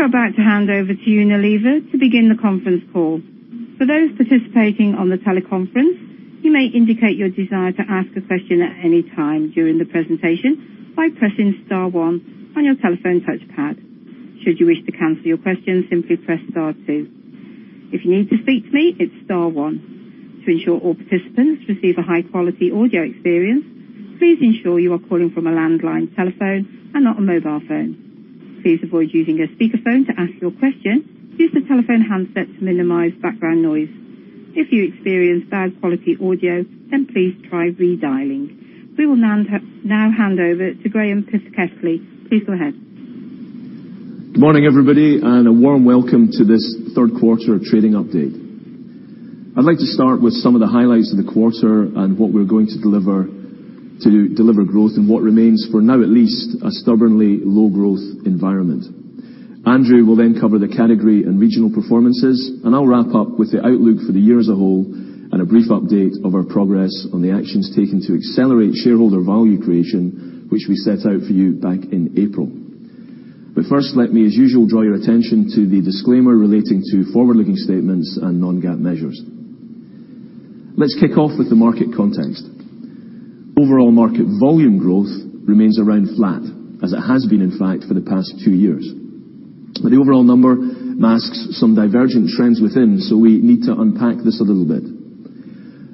We are about to hand over to you, Unilever, to begin the conference call. For those participating on the teleconference, you may indicate your desire to ask a question at any time during the presentation by pressing star one on your telephone touchpad. Should you wish to cancel your question, simply press star two. If you need to speak to me, it's star one. To ensure all participants receive a high-quality audio experience, please ensure you are calling from a landline telephone and not a mobile phone. Please avoid using a speakerphone to ask your question. Use the telephone handset to minimize background noise. If you experience bad quality audio, please try redialing. We will now hand over to Graeme Pitkethly. Please go ahead. Good morning, everybody, and a warm welcome to this third quarter trading update. I'd like to start with some of the highlights of the quarter and what we're going to do to deliver growth in what remains, for now at least, a stubbornly low growth environment. Andrew will then cover the category and regional performances, and I'll wrap up with the outlook for the year as a whole and a brief update of our progress on the actions taken to accelerate shareholder value creation, which we set out for you back in April. First, let me, as usual, draw your attention to the disclaimer relating to forward-looking statements and non-GAAP measures. Let's kick off with the market context. Overall market volume growth remains around flat, as it has been, in fact, for the past two years. The overall number masks some divergent trends within, we need to unpack this a little bit.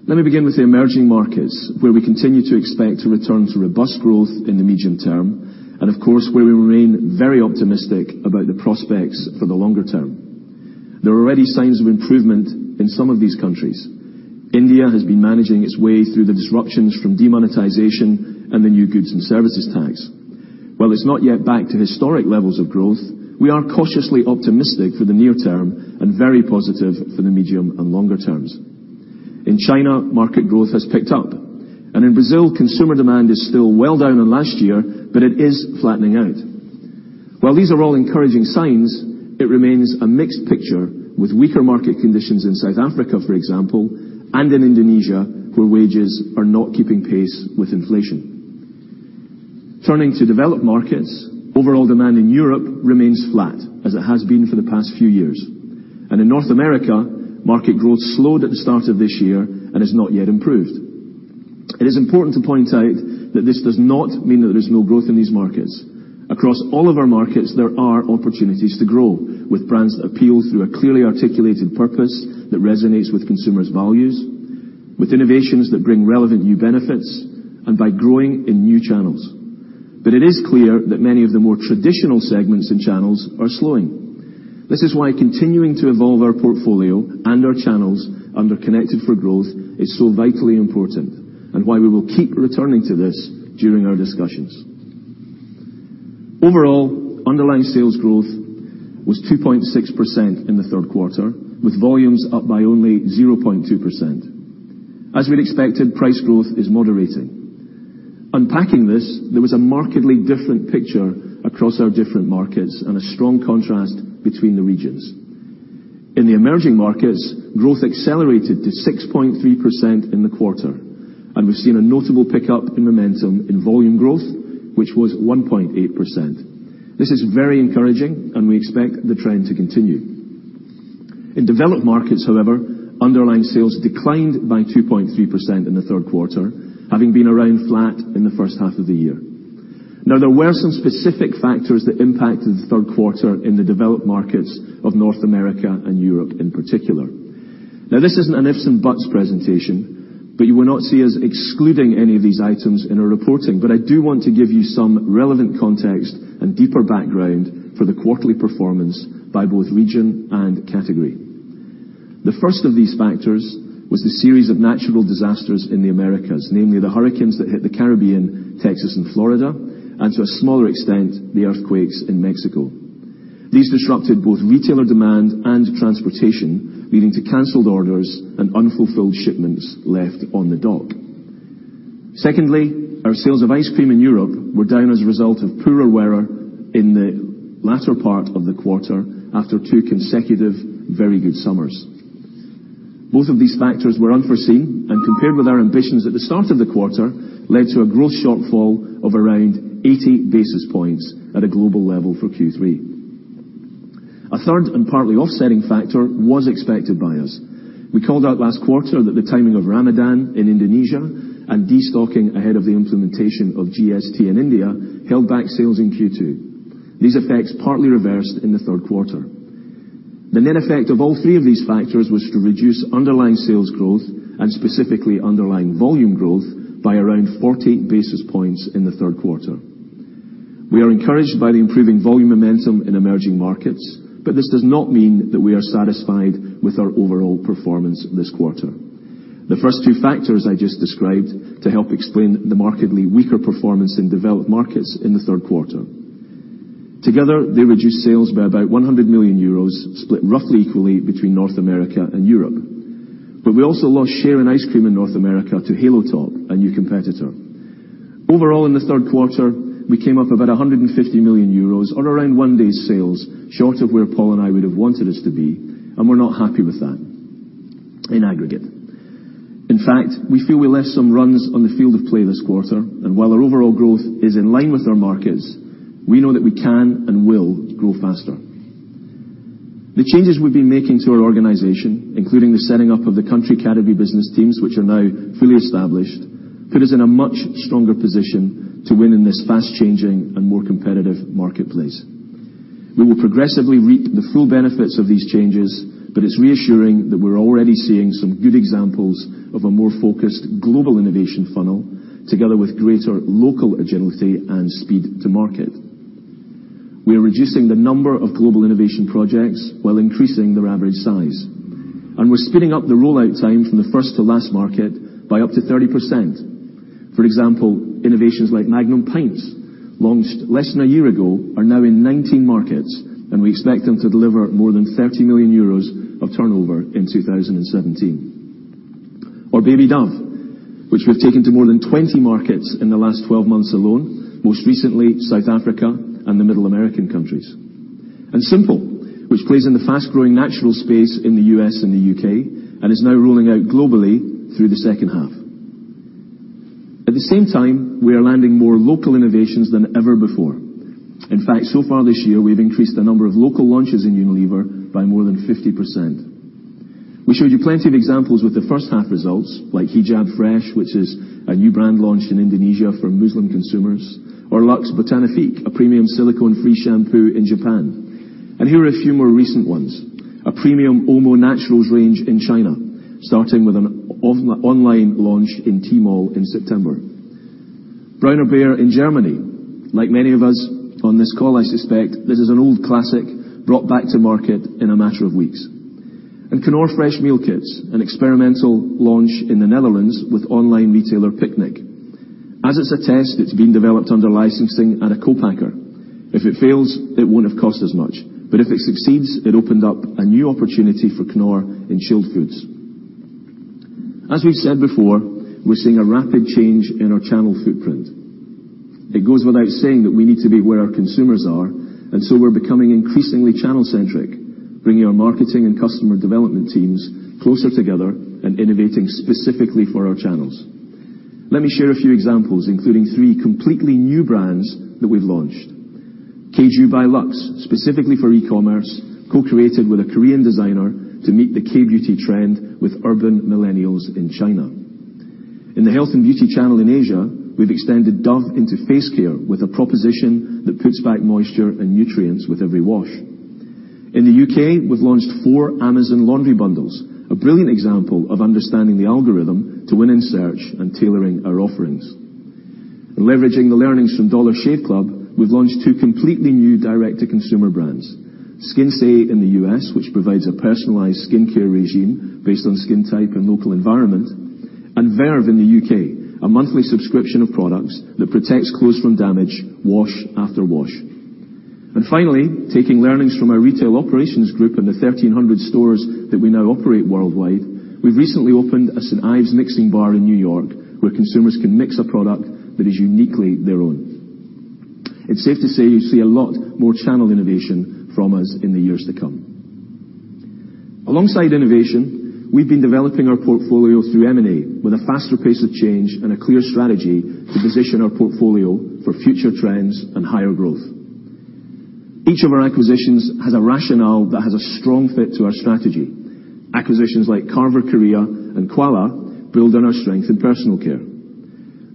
Let me begin with the emerging markets, where we continue to expect a return to robust growth in the medium term and, of course, where we remain very optimistic about the prospects for the longer term. There are already signs of improvement in some of these countries. India has been managing its way through the disruptions from demonetization and the new goods and services tax. While it's not yet back to historic levels of growth, we are cautiously optimistic for the near term and very positive for the medium and longer terms. In China, market growth has picked up, and in Brazil, consumer demand is still well down on last year, but it is flattening out. While these are all encouraging signs, it remains a mixed picture with weaker market conditions in South Africa, for example, and in Indonesia, where wages are not keeping pace with inflation. Turning to Developed Markets, overall demand in Europe remains flat, as it has been for the past few years. In North America, market growth slowed at the start of this year and has not yet improved. It is important to point out that this does not mean that there is no growth in these markets. Across all of our markets, there are opportunities to grow with brands that appeal through a clearly articulated purpose that resonates with consumers' values, with innovations that bring relevant new benefits, and by growing in new channels. It is clear that many of the more traditional segments and channels are slowing. This is why continuing to evolve our portfolio and our channels under Connected for Growth is so vitally important and why we will keep returning to this during our discussions. Overall, underlying sales growth was 2.6% in the third quarter, with volumes up by only 0.2%. As we'd expected, price growth is moderating. Unpacking this, there was a markedly different picture across our different markets and a strong contrast between the regions. In the emerging markets, growth accelerated to 6.3% in the quarter, and we've seen a notable pickup in momentum in volume growth, which was 1.8%. This is very encouraging, and we expect the trend to continue. In Developed Markets, however, underlying sales declined by 2.3% in the third quarter, having been around flat in the first half of the year. There were some specific factors that impacted the third quarter in the Developed Markets of North America and Europe in particular. This isn't an ifs and buts presentation, but you will not see us excluding any of these items in our reporting. I do want to give you some relevant context and deeper background for the quarterly performance by both region and category. The first of these factors was the series of natural disasters in the Americas, namely the hurricanes that hit the Caribbean, Texas, and Florida, and to a smaller extent, the earthquakes in Mexico. These disrupted both retailer demand and transportation, leading to canceled orders and unfulfilled shipments left on the dock. Secondly, our sales of ice cream in Europe were down as a result of poorer weather in the latter part of the quarter after two consecutive very good summers. Both of these factors were unforeseen and, compared with our ambitions at the start of the quarter, led to a growth shortfall of around 80 basis points at a global level for Q3. A third and partly offsetting factor was expected by us. We called out last quarter that the timing of Ramadan in Indonesia and destocking ahead of the implementation of GST in India held back sales in Q2. These effects partly reversed in the third quarter. The net effect of all three of these factors was to reduce underlying sales growth and specifically underlying volume growth by around 40 basis points in the third quarter. We are encouraged by the improving volume momentum in emerging markets, this does not mean that we are satisfied with our overall performance this quarter. The first two factors I just described to help explain the markedly weaker performance in Developed Markets in the third quarter. Together, they reduced sales by about 100 million euros, split roughly equally between North America and Europe. We also lost share in ice cream in North America to Halo Top, a new competitor. Overall, in the third quarter, we came up about 150 million euros or around one day's sales short of where Paul and I would have wanted us to be, and we're not happy with that in aggregate. In fact, we feel we left some runs on the field of play this quarter, while our overall growth is in line with our markets, we know that we can and will grow faster. The changes we've been making to our organization, including the setting up of the country category business teams, which are now fully established, put us in a much stronger position to win in this fast-changing and more competitive marketplace. We will progressively reap the full benefits of these changes, but it's reassuring that we're already seeing some good examples of a more focused global innovation funnel, together with greater local agility and speed to market. We are reducing the number of global innovation projects while increasing their average size, and we're speeding up the rollout time from the first to last market by up to 30%. For example, innovations like Magnum Pints, launched less than a year ago, are now in 19 markets, and we expect them to deliver more than 30 million euros of turnover in 2017. Baby Dove, which we've taken to more than 20 markets in the last 12 months alone, most recently South Africa and the Middle American countries. Simple, which plays in the fast-growing natural space in the U.S. and the U.K. and is now rolling out globally through the second half. At the same time, we are landing more local innovations than ever before. In fact, so far this year, we've increased the number of local launches in Unilever by more than 50%. We showed you plenty of examples with the first half results, like Hijab Fresh, which is a new brand launched in Indonesia for Muslim consumers, or Lux Botanifique, a premium silicone-free shampoo in Japan. Here are a few more recent ones. A premium Omo Naturals range in China, starting with an online launch in Tmall in September. Bärenmarke in Germany, like many of us on this call, I suspect, this is an old classic brought back to market in a matter of weeks. Knorr Fresh Meal Kits, an experimental launch in the Netherlands with online retailer Picnic. As it's a test, it's being developed under licensing and a co-packer. If it fails, it won't have cost us much, but if it succeeds, it opened up a new opportunity for Knorr in chilled foods. As we've said before, we're seeing a rapid change in our channel footprint. It goes without saying that we need to be where our consumers are, we're becoming increasingly channel-centric, bringing our marketing and customer development teams closer together and innovating specifically for our channels. Let me share a few examples, including three completely new brands that we've launched. Keju by Lux, specifically for e-commerce, co-created with a Korean designer to meet the K-beauty trend with urban millennials in China. In the health and beauty channel in Asia, we've extended Dove into face care with a proposition that puts back moisture and nutrients with every wash. In the U.K., we've launched four Amazon laundry bundles, a brilliant example of understanding the algorithm to win in search and tailoring our offerings. Leveraging the learnings from Dollar Shave Club, we've launched two completely new direct-to-consumer brands, Skinsei in the U.S., which provides a personalized skincare regime based on skin type and local environment, and Verve in the U.K., a monthly subscription of products that protects clothes from damage wash after wash. Finally, taking learnings from our retail operations group and the 1,300 stores that we now operate worldwide, we've recently opened a St. Ives mixing bar in New York where consumers can mix a product that is uniquely their own. It's safe to say you see a lot more channel innovation from us in the years to come. Alongside innovation, we've been developing our portfolio through M&A with a faster pace of change and a clear strategy to position our portfolio for future trends and higher growth. Each of our acquisitions has a rationale that has a strong fit to our strategy. Acquisitions like Carver Korea and Quala build on our strength in personal care.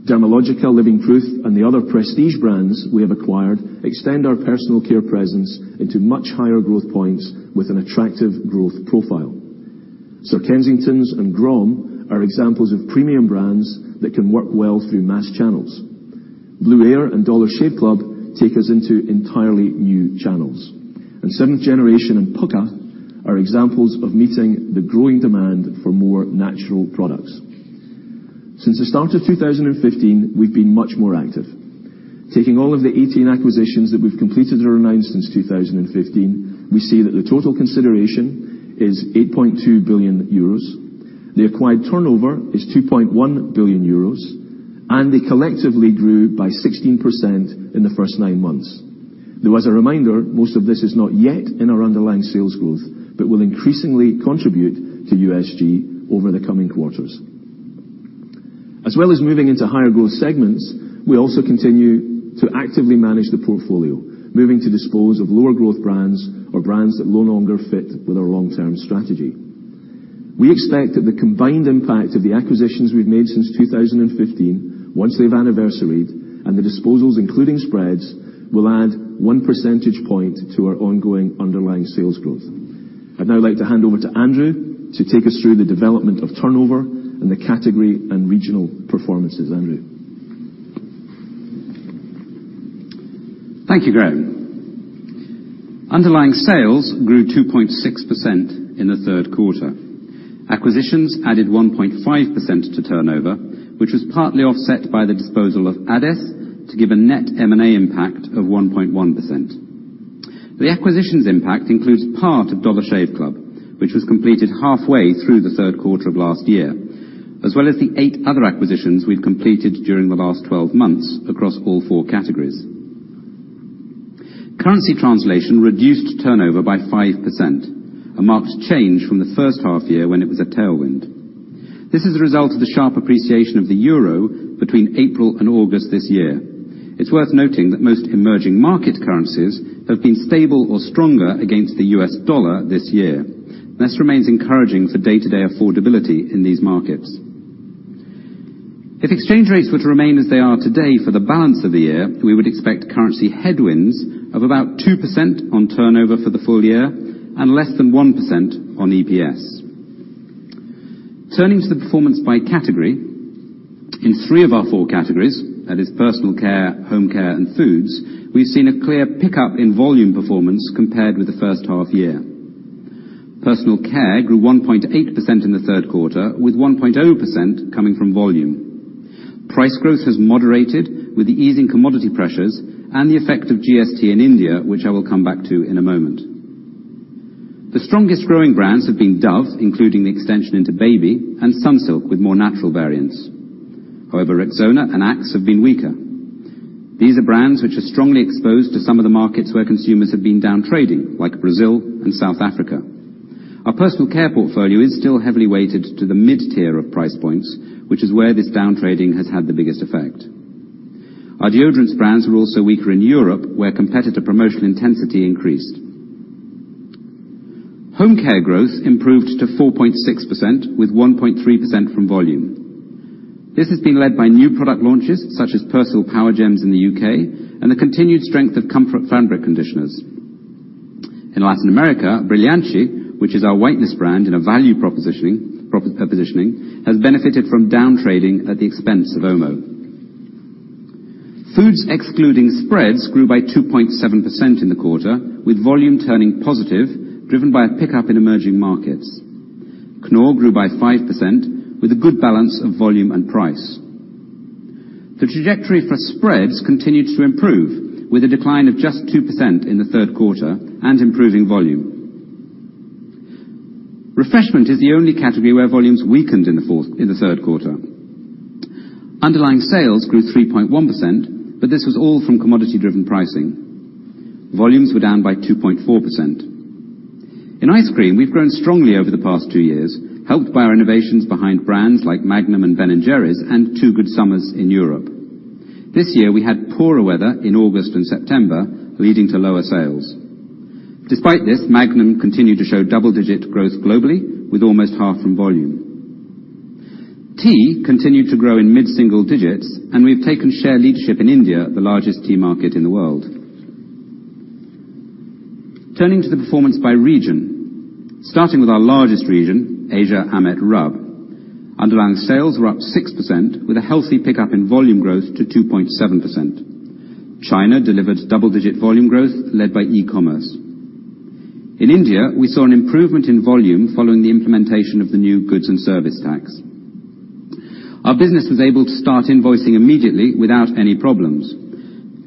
Dermalogica, Living Proof, and the other prestige brands we have acquired extend our personal care presence into much higher growth points with an attractive growth profile. Sir Kensington's and Grom are examples of premium brands that can work well through mass channels. Blueair and Dollar Shave Club take us into entirely new channels. Seventh Generation and Pukka are examples of meeting the growing demand for more natural products. Since the start of 2015, we've been much more active. Taking all of the 18 acquisitions that we've completed or announced since 2015, we see that the total consideration is 8.2 billion euros, the acquired turnover is 2.1 billion euros, and they collectively grew by 16% in the first nine months. As a reminder, most of this is not yet in our underlying sales growth, but will increasingly contribute to USG over the coming quarters. As well as moving into higher growth segments, we also continue to actively manage the portfolio, moving to dispose of lower growth brands or brands that no longer fit with our long-term strategy. We expect that the combined impact of the acquisitions we've made since 2015, once they've anniversaried, and the disposals, including spreads, will add one percentage point to our ongoing underlying sales growth. I'd now like to hand over to Andrew to take us through the development of turnover and the category and regional performances. Andrew? Thank you, Graeme. Underlying sales grew 2.6% in the third quarter. Acquisitions added 1.5% to turnover, which was partly offset by the disposal of AdeS to give a net M&A impact of 1.1%. The acquisitions impact includes part of Dollar Shave Club, which was completed halfway through the third quarter of last year, as well as the eight other acquisitions we've completed during the last 12 months across all four categories. Currency translation reduced turnover by 5%, a marked change from the first half year when it was a tailwind. This is a result of the sharp appreciation of the euro between April and August this year. It's worth noting that most emerging market currencies have been stable or stronger against the US dollar this year. This remains encouraging for day-to-day affordability in these markets. If exchange rates were to remain as they are today for the balance of the year, we would expect currency headwinds of about 2% on turnover for the full year and less than 1% on EPS. Turning to the performance by category, in three of our four categories, that is Personal Care, Home Care, and Foods, we've seen a clear pickup in volume performance compared with the first half year. Personal Care grew 1.8% in the third quarter, with 1.0% coming from volume. Price growth has moderated with the easing commodity pressures and the effect of GST in India, which I will come back to in a moment. The strongest growing brands have been Dove, including the extension into baby, and Sunsilk, with more natural variants. However, Rexona and Axe have been weaker. These are brands which are strongly exposed to some of the markets where consumers have been downtrading, like Brazil and South Africa. Our Personal Care portfolio is still heavily weighted to the mid-tier of price points, which is where this downtrading has had the biggest effect. Our deodorants brands were also weaker in Europe, where competitor promotional intensity increased. Home Care growth improved to 4.6%, with 1.3% from volume. This has been led by new product launches such as Persil Powergems in the U.K. and the continued strength of Comfort fabric conditioners. In Latin America, Brilhante, which is our whiteness brand in a value propositioning, proper positioning, has benefited from downtrading at the expense of Omo. Foods, excluding spreads, grew by 2.7% in the quarter, with volume turning positive, driven by a pickup in emerging markets. Knorr grew by 5% with a good balance of volume and price. The trajectory for spreads continued to improve, with a decline of just 2% in the third quarter and improving volume. Refreshment is the only category where volumes weakened in the third quarter. Underlying sales grew 3.1%, but this was all from commodity-driven pricing. Volumes were down by 2.4%. In ice cream, we've grown strongly over the past two years, helped by our innovations behind brands like Magnum and Ben & Jerry's and two good summers in Europe. This year, we had poorer weather in August and September, leading to lower sales. Despite this, Magnum continued to show double-digit growth globally with almost half from volume. Tea continued to grow in mid-single digits, and we have taken share leadership in India, the largest tea market in the world. Turning to the performance by region, starting with our largest region, Asia, AMET, RUB. Underlying sales were up 6%, with a healthy pickup in volume growth to 2.7%. China delivered double-digit volume growth led by e-commerce. In India, we saw an improvement in volume following the implementation of the new goods and service tax. Our business was able to start invoicing immediately without any problems.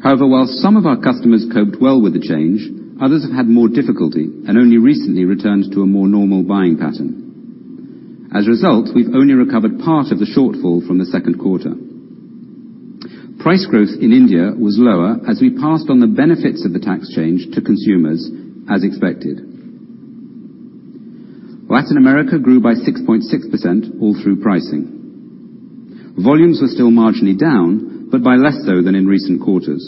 While some of our customers coped well with the change, others have had more difficulty and only recently returned to a more normal buying pattern. As a result, we've only recovered part of the shortfall from the second quarter. Price growth in India was lower as we passed on the benefits of the tax change to consumers as expected. Latin America grew by 6.6%, all through pricing. Volumes are still marginally down, but by less so than in recent quarters.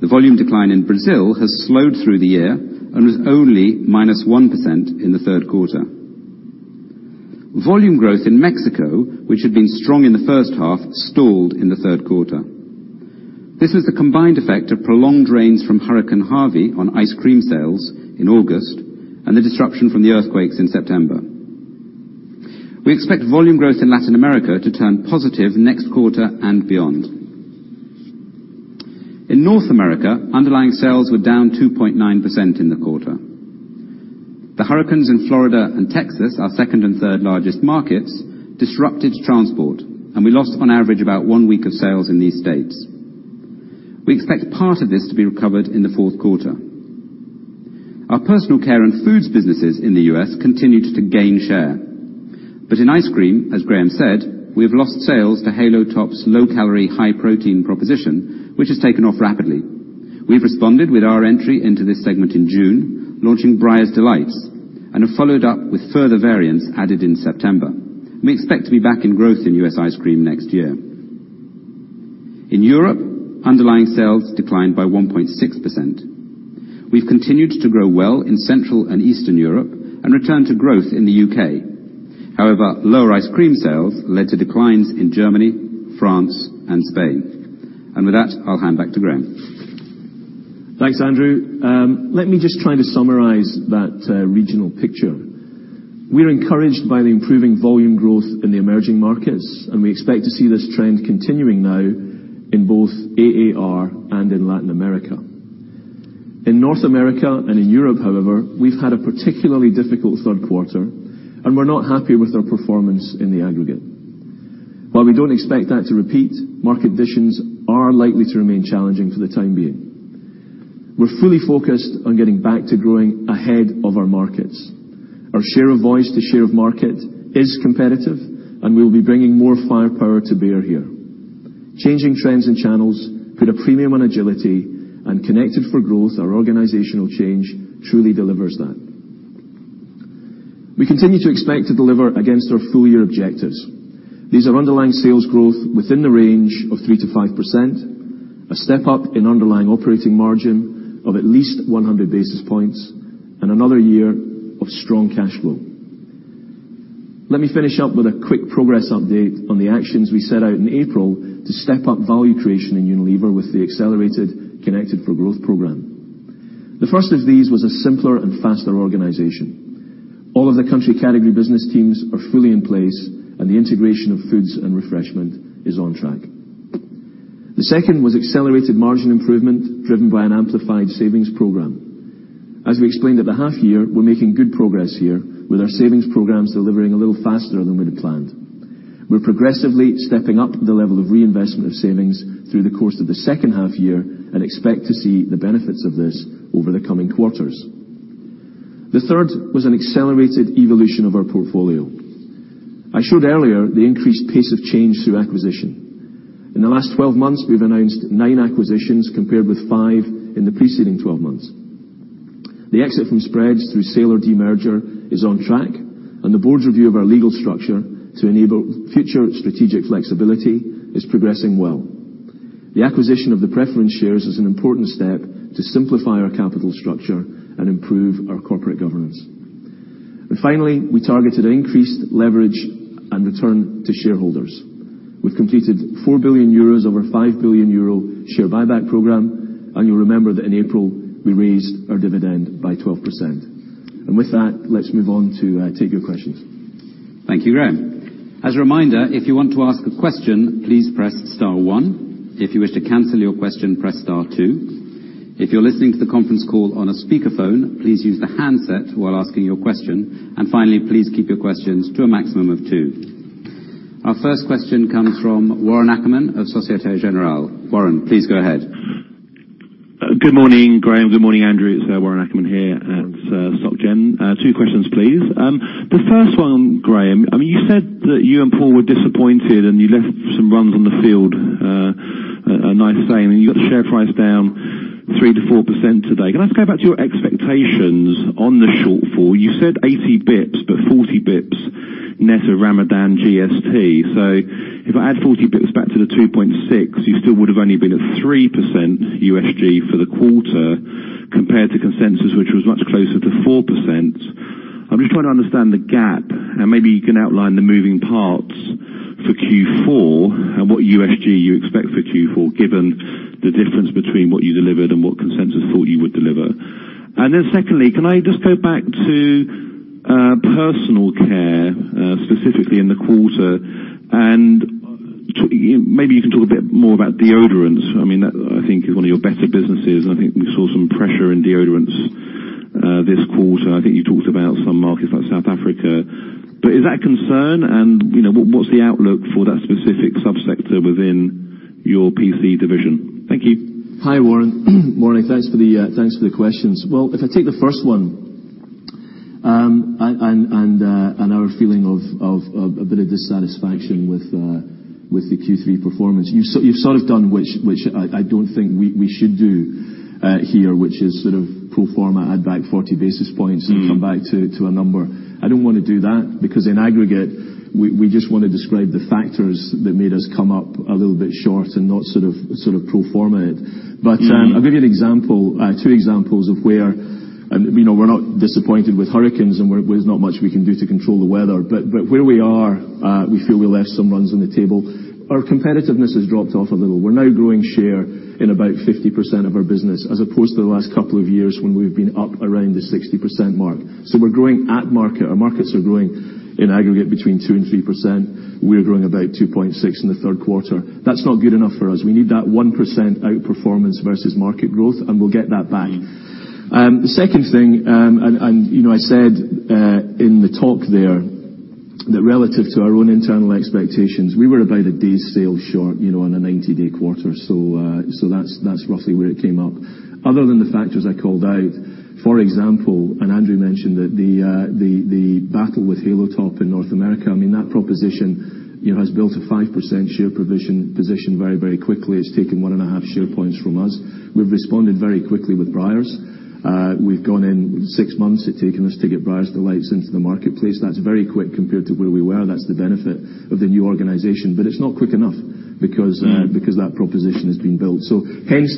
The volume decline in Brazil has slowed through the year and was only -1% in the third quarter. Volume growth in Mexico, which had been strong in the first half, stalled in the third quarter. This was the combined effect of prolonged rains from Hurricane Harvey on ice cream sales in August and the disruption from the earthquakes in September. We expect volume growth in Latin America to turn positive next quarter and beyond. In North America, underlying sales were down 2.9% in the quarter. The hurricanes in Florida and Texas, our second and third largest markets, disrupted transport, and we lost on average about one week of sales in these states. We expect part of this to be recovered in the fourth quarter. Our Personal Care and Foods businesses in the U.S. continued to gain share. In ice cream, as Graeme said, we have lost sales to Halo Top's low-calorie, high-protein proposition, which has taken off rapidly. We've responded with our entry into this segment in June, launching Breyers Delights, and have followed up with further variants added in September. We expect to be back in growth in U.S. ice cream next year. In Europe, underlying sales declined by 1.6%. We've continued to grow well in Central and Eastern Europe and return to growth in the U.K. However, lower ice cream sales led to declines in Germany, France, and Spain. With that, I'll hand back to Graeme. Thanks, Andrew. Let me just try to summarize that regional picture. We're encouraged by the improving volume growth in the emerging markets, and we expect to see this trend continuing now in both Asia/AMET/RUB and in Latin America. In North America and in Europe, however, we've had a particularly difficult third quarter, and we're not happy with our performance in the aggregate. While we don't expect that to repeat, market conditions are likely to remain challenging for the time being. We're fully focused on getting back to growing ahead of our markets. Our share of voice to share of market is competitive, and we'll be bringing more firepower to bear here. Changing trends and channels put a premium on agility, and Connected for Growth, our organizational change, truly delivers that. We continue to expect to deliver against our full year objectives. These are underlying sales growth within the range of 3%-5%, a step up in underlying operating margin of at least 100 basis points, and another year of strong cash flow. Let me finish up with a quick progress update on the actions we set out in April to step up value creation in Unilever with the accelerated Connected for Growth program. The first of these was a simpler and faster organization. All of the country category business teams are fully in place, and the integration of foods and refreshment is on track. The second was accelerated margin improvement, driven by an amplified savings program. As we explained at the half year, we're making good progress here, with our savings programs delivering a little faster than we'd planned. We're progressively stepping up the level of reinvestment of savings through the course of the second half year, expect to see the benefits of this over the coming quarters. The third was an accelerated evolution of our portfolio. I showed earlier the increased pace of change through acquisition. In the last 12 months, we've announced nine acquisitions compared with five in the preceding 12 months. The exit from spreads through sale or demerger is on track, and the board's review of our legal structure to enable future strategic flexibility is progressing well. The acquisition of the preference shares is an important step to simplify our capital structure and improve our corporate governance. Finally, we targeted an increased leverage and return to shareholders. We've completed 4 billion euros of our 5 billion euro share buyback program, and you'll remember that in April, we raised our dividend by 12%. With that, let's move on to take your questions. Thank you, Graeme. As a reminder, if you want to ask a question, please press star one. If you wish to cancel your question, press star two. If you're listening to the conference call on a speakerphone, please use the handset while asking your question. Finally, please keep your questions to a maximum of two. Our first question comes from Warren Ackerman of Societe Generale. Warren, please go ahead. Good morning, Graeme. Good morning, Andrew. It's Warren Ackerman here at Soc Gen. Two questions, please. The first one, Graeme, you said that you and Paul were disappointed, you left some runs on the field. A nice saying, you got the share price down 3%-4% today. Can I just go back to your expectations on the shortfall? You said 80 basis points, but 40 basis points net of Ramadan GST. If I add 40 basis points back to the 2.6%, you still would have only been at 3% USG for the quarter, compared to consensus, which was much closer to 4%. I'm just trying to understand the gap, maybe you can outline the moving parts for Q4 and what USG you expect for Q4, given the difference between what you delivered and what consensus thought you would deliver. Secondly, can I just go back to personal care, specifically in the quarter? Maybe you can talk a bit more about deodorants. I think it is one of your better businesses, and I think we saw some pressure in deodorants this quarter. I think you talked about some markets like South Africa. Is that a concern, and what is the outlook for that specific subsector within your PC division? Thank you. Hi, Warren. Morning. Thanks for the questions. If I take the first one and our feeling of a bit of dissatisfaction with the Q3 performance, you have sort of done which I don't think we should do here, which is sort of pro forma add back 40 basis points and come back to a number. I don't want to do that because in aggregate, we just want to describe the factors that made us come up a little bit short and not sort of pro forma it. I will give you an example, two examples of where we are not disappointed with hurricanes and there is not much we can do to control the weather. Where we are, we feel we left some runs on the table. Our competitiveness has dropped off a little. We are now growing share in about 50% of our business, as opposed to the last couple of years when we have been up around the 60% mark. We are growing at market. Our markets are growing in aggregate between 2% and 3%. We are growing about 2.6% in the third quarter. That is not good enough for us. We need that 1% outperformance versus market growth, and we will get that back. The second thing, I said in the talk there that relative to our own internal expectations, we were about a day's sale short on a 90-day quarter. That is roughly where it came up. Other than the factors I called out, for example, Andrew mentioned the battle with Halo Top in North America, that proposition has built a 5% share provision position very, very quickly. It has taken one and a half share points from us. We have responded very quickly with Breyers. We have gone in 6 months it has taken us to get Breyers Delights into the marketplace. That is very quick compared to where we were. That is the benefit of the new organization. It is not quick enough because that proposition has been built. Hence,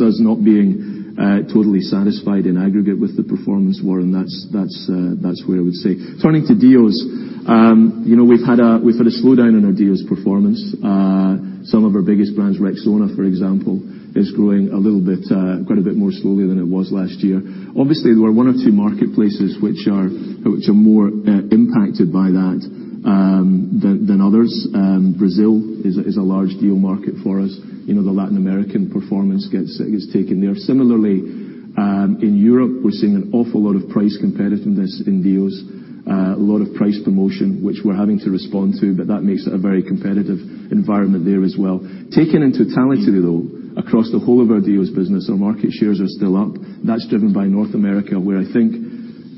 us not being totally satisfied in aggregate with the performance, Warren. That is where I would say. Turning to DEOs, we have had a slowdown in our DEOs performance. Some of our biggest brands, Rexona, for example, is growing a little bit, quite a bit more slowly than it was last year. Obviously, there were one or two marketplaces which are more impacted by that than others. Brazil is a large DEO market for us. The Latin American performance gets taken there. Similarly, in Europe, we're seeing an awful lot of price competitiveness in DEOs, a lot of price promotion, which we're having to respond to, but that makes it a very competitive environment there as well. Taken in totality, though, across the whole of our DEOs business, our market shares are still up. That's driven by North America, where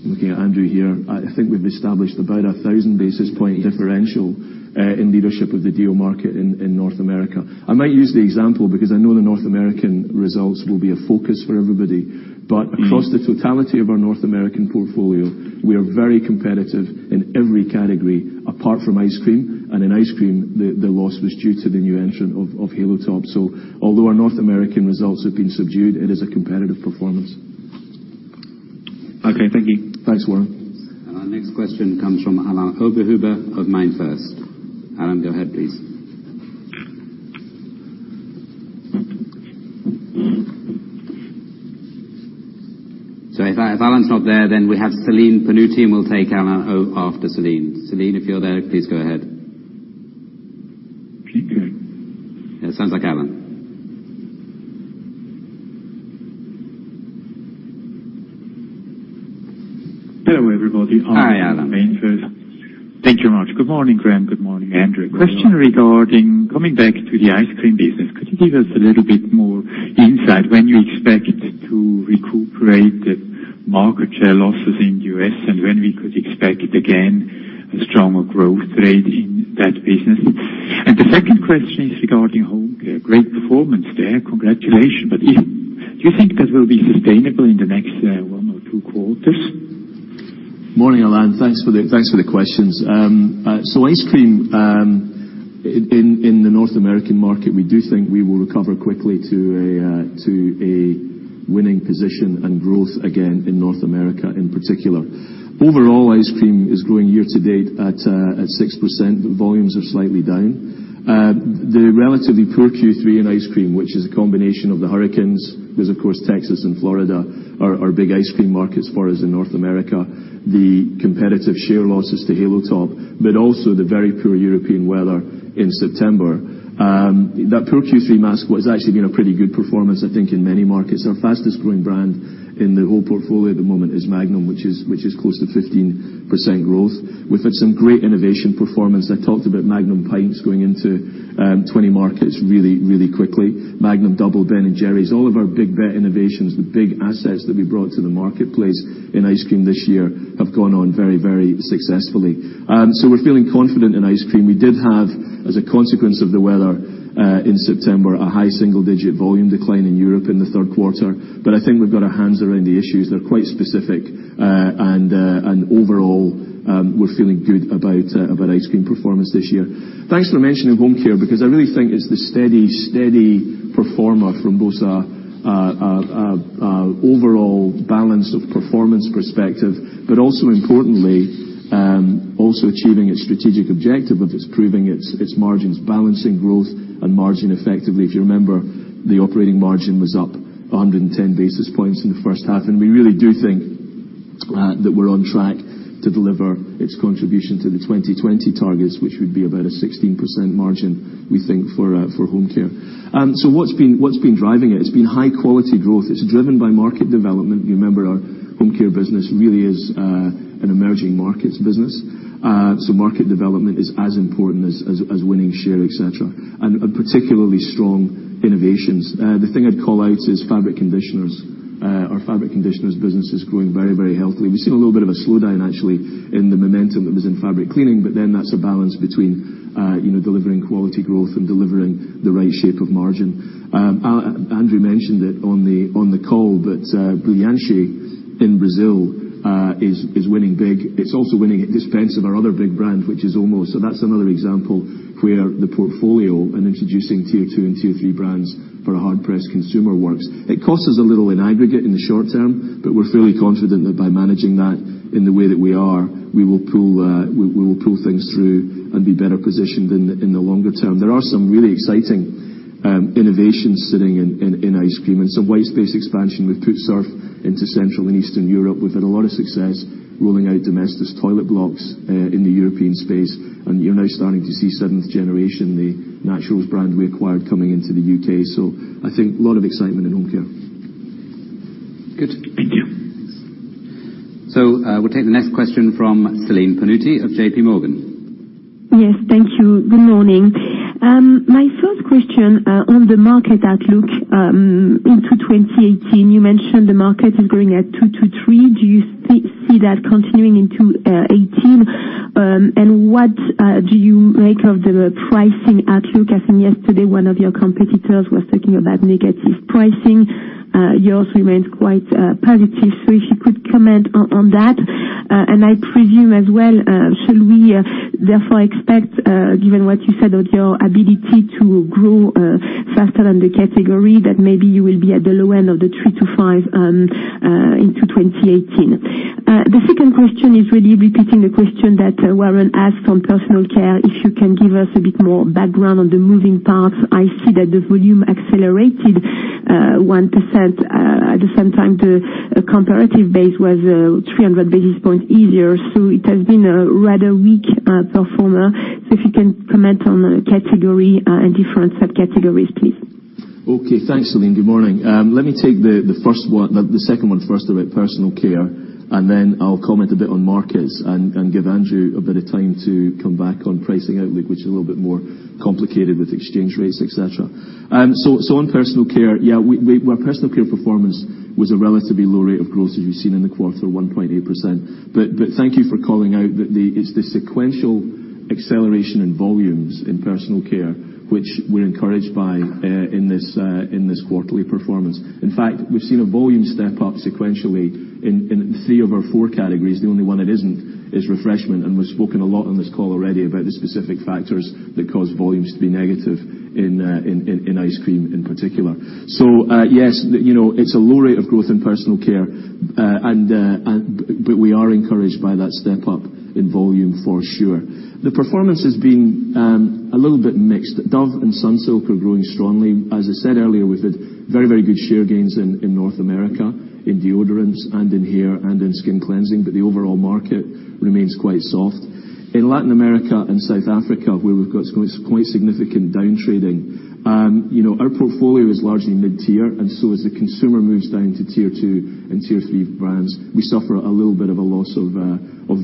Looking at Andrew here, I think we've established about 1,000 basis point differential in leadership of the DEO market in North America. I might use the example because I know the North American results will be a focus for everybody. Across the totality of our North American portfolio, we are very competitive in every category apart from ice cream. In ice cream, the loss was due to the new entrant of Halo Top. Although our North American results have been subdued, it is a competitive performance. Okay. Thank you. Thanks, Warren. Our next question comes from Alain Oberhuber of MainFirst. Alain, go ahead, please. If Alain's not there, then we have Celine Pannuti, and we'll take Alain after Celine. Celine, if you're there, please go ahead. It sounds like Alain. Hello, everybody. Hi, Alain. Alain with MainFirst. Thank you much. Good morning, Graeme. Good morning, Andrew. Good morning. Question regarding coming back to the ice cream business. Could you give us a little bit more insight when you expect to recuperate the market share losses in the U.S. and when we could expect again a stronger growth rate in that business? The second question is regarding home care. Great performance there. Congratulations. Do you think that will be sustainable in the next one or two quarters? Morning, Alain. Thanks for the questions. Ice cream in the North American market, we do think we will recover quickly to a winning position and growth again in North America in particular. Overall, ice cream is growing year-to-date at 6%, but volumes are slightly down. The relatively poor Q3 in ice cream, which is a combination of the hurricanes, because of course, Texas and Florida are our big ice cream markets for us in North America, the competitive share losses to Halo Top, but also the very poor European weather in September. That poor Q3 mask what has actually been a pretty good performance, I think, in many markets. Our fastest-growing brand in the whole portfolio at the moment is Magnum, which is close to 15% growth. We've had some great innovation performance. I talked about Magnum Pints going into 20 markets really quickly. Magnum Double, Ben & Jerry's, all of our big bet innovations, the big assets that we brought to the marketplace in ice cream this year have gone on very successfully. We're feeling confident in ice cream. We did have, as a consequence of the weather in September, a high single-digit volume decline in Europe in the third quarter. I think we've got our hands around the issues. They're quite specific, overall, we're feeling good about ice cream performance this year. Thanks for mentioning home care, because I really think it's the steady performer from both our overall balance of performance perspective, but also importantly, also achieving its strategic objective, which is proving its margins, balancing growth and margin effectively. If you remember, the operating margin was up 110 basis points in the first half, and we really do think that we're on track to deliver its contribution to the 2020 targets, which would be about a 16% margin, we think, for home care. What's been driving it? It's been high-quality growth. It's driven by market development. You remember our home care business really is an emerging markets business. Market development is as important as winning share, et cetera, and particularly strong innovations. The thing I'd call out is fabric conditioners. Our fabric conditioners business is growing very, very healthily. We've seen a little bit of a slowdown actually in the momentum that was in fabric cleaning, That's a balance between delivering quality growth and delivering the right shape of margin. Andrew mentioned it on the call that Brilhante in Brazil is winning big. It's also winning at the expense of our other big brand, which is Omo. That's another example where the portfolio and introducing tier 2 and tier 3 brands for a hard-pressed consumer works. It costs us a little in aggregate in the short term, We're fairly confident that by managing that in the way that we are, we will pull things through and be better positioned in the longer term. There are some really exciting innovations sitting in ice cream and some white space expansion. We've put Surf into Central and Eastern Europe. We've had a lot of success rolling out Domestos toilet blocks in the European space, and you're now starting to see Seventh Generation, the Naturals brand we acquired coming into the U.K. I think a lot of excitement in home care. Good. Thank you. We'll take the next question from Celine Pannuti of JPMorgan. Yes. Thank you. Good morning. My first question on the market outlook into 2018, you mentioned the market is growing at 2%-3%. Do you still see that continuing into 2018? What do you make of the pricing outlook? I think yesterday, one of your competitors was talking about negative pricing. Yours remains quite positive. If you could comment on that. I presume as well, should we therefore expect, given what you said of your ability to grow faster than the category, that maybe you will be at the low end of the 3%-5% into 2018? The second question is really repeating the question that Warren asked on personal care. If you can give us a bit more background on the moving parts. I see that the volume accelerated 1%. At the same time, the comparative base was 300 basis points easier, it has been a rather weak performer. If you can comment on the category and different subcategories, please. Okay, thanks, Celine. Good morning. Let me take the second one first about personal care. Then I'll comment a bit on markets and give Andrew a bit of time to come back on pricing outlook, which is a little bit more complicated with exchange rates, et cetera. On personal care, yeah, personal care performance was a relatively low rate of growth as we've seen in the quarter, 1.8%. Thank you for calling out that it's the sequential acceleration in volumes in personal care, which we're encouraged by in this quarterly performance. In fact, we've seen a volume step up sequentially in three of our four categories. The only one that isn't is refreshment. We've spoken a lot on this call already about the specific factors that cause volumes to be negative in ice cream in particular. Yes, it's a low rate of growth in personal care, we are encouraged by that step up in volume for sure. The performance has been a little bit mixed. Dove and Sunsilk are growing strongly. As I said earlier, we've had very good share gains in North America in deodorants and in hair and in skin cleansing. The overall market remains quite soft. In Latin America and South Africa, where we've got quite significant downtrading, our portfolio is largely mid-tier. As the consumer moves down to tier 2 and tier 3 brands, we suffer a little bit of a loss of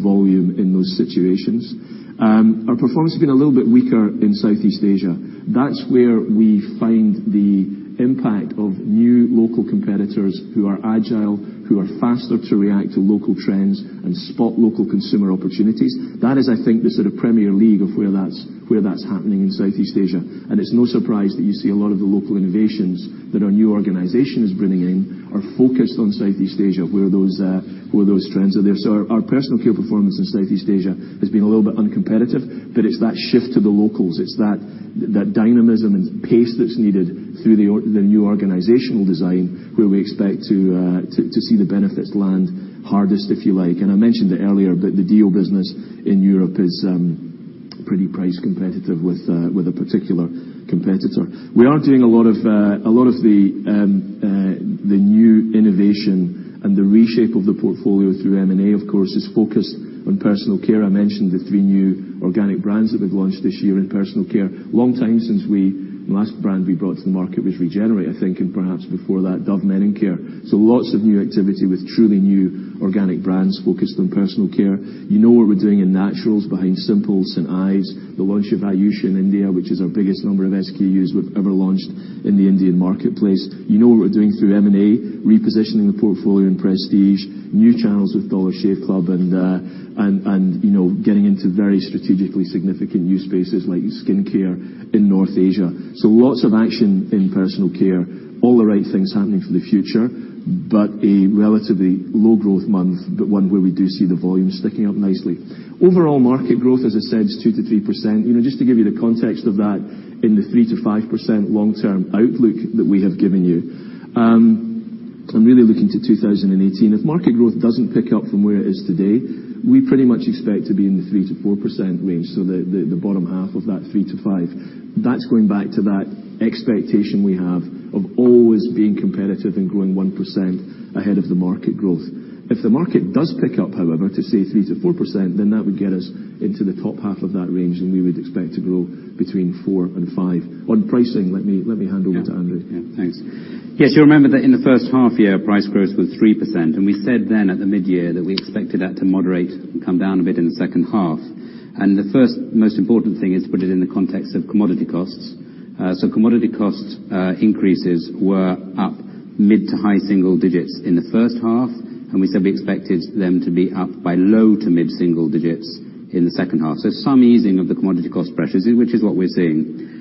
volume in those situations. Our performance has been a little bit weaker in Southeast Asia. That's where we find the impact of new local competitors who are agile, who are faster to react to local trends and spot local consumer opportunities. That is, I think, the sort of premier league of where that's happening in Southeast Asia. It's no surprise that you see a lot of the local innovations that our new organization is bringing in are focused on Southeast Asia, where those trends are there. Our personal care performance in Southeast Asia has been a little bit uncompetitive. It's that shift to the locals. It's that dynamism and pace that's needed through the new organizational design where we expect to see the benefits land hardest, if you like. I mentioned it earlier, the deo business in Europe is pretty price competitive with a particular competitor. We are doing a lot of the new innovation and the reshape of the portfolio through M&A, of course, is focused on personal care. I mentioned the three new organic brands that we've launched this year in personal care. Long time since the last brand we brought to the market was Regenerate, I think, perhaps before that, Dove Men+Care. Lots of new activity with truly new organic brands focused on personal care. You know what we're doing in naturals behind Simple, St. Ives, the launch of Ayush in India, which is our biggest number of SKUs we've ever launched in the Indian marketplace. You know what we're doing through M&A, repositioning the portfolio in prestige, new channels with Dollar Shave Club, getting into very strategically significant new spaces like skin care in North Asia. Lots of action in personal care. All the right things happening for the future, a relatively low growth month, one where we do see the volume sticking up nicely. Overall market growth, as I said, is 2%-3%. Just to give you the context of that in the 3%-5% long-term outlook that we have given you, I'm really looking to 2018. If market growth doesn't pick up from where it is today, we pretty much expect to be in the 3%-4% range, so the bottom half of that 3%-5%. That's going back to that expectation we have of always being competitive and growing 1% ahead of the market growth. If the market does pick up, however, to say 3%-4%, that would get us into the top half of that range, and we would expect to grow between 4% and 5%. On pricing, let me hand over to Andrew. Yeah. Thanks. Yes, you'll remember that in the first half year, price growth was 3%. We said then at the mid-year that we expected that to moderate and come down a bit in the second half. The first most important thing is to put it in the context of commodity costs. Commodity cost increases were up mid to high single digits in the first half. We said we expected them to be up by low to mid single digits in the second half. Some easing of the commodity cost pressures, which is what we're seeing.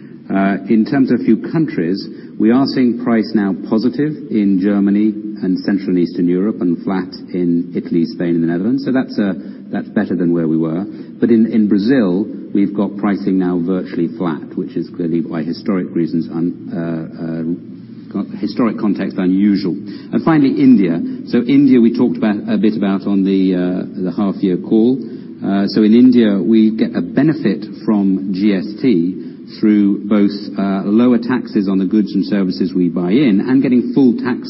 In terms of a few countries, we are seeing price now positive in Germany and Central and Eastern Europe and flat in Italy, Spain, and the Netherlands. That's better than where we were. In Brazil, we've got pricing now virtually flat, which is clearly by historic context, unusual. Finally, India. India, we talked a bit about on the half year call. In India, we get a benefit from GST through both lower taxes on the goods and services we buy in and getting full tax